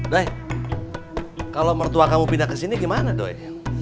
doi kalau mertua kamu pindah ke sini gimana doi